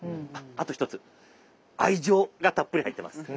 あと一つ愛情がたっぷり入ってます。